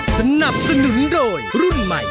สนับสนุนโดยรุ่นใหม่